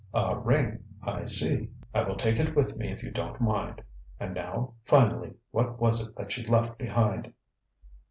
ŌĆ£A ring. I see. I will take it with me if you don't mind. And now, finally, what was it that she left behind?